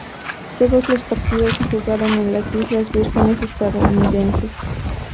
Todos los partidos se jugaron en las Islas Vírgenes Estadounidenses.